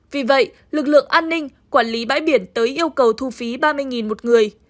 vì vậy lực lượng an ninh quản lý bãi biển tới yêu cầu thu phí ba mươi một người